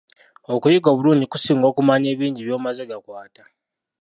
Okuyiga obulungi kusinga okumanya ebingi by'omaze gakwata.